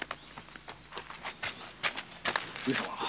上様